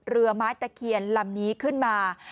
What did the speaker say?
เรือไม้ตะเคียนลำนี้ขึ้นมา